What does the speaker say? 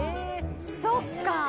そっか。